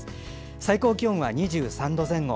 最高気温は２３度前後。